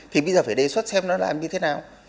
thì bây giờ phải đề xuất xem nó là làm như thế nào